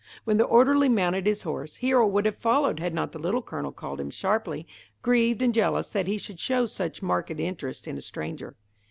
When the orderly mounted his horse. Hero would have followed had not the Little Colonel called him sharply, grieved and jealous that he should show such marked interest in a stranger.